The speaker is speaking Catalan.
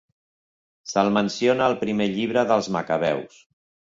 Se'l menciona al Primer llibre dels Macabeus.